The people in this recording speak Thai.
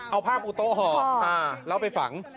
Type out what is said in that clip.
เอาผ้าบุโต้หอบแล้วไปฝัง